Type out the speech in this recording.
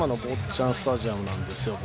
ちゃんスタジアムなんですよ。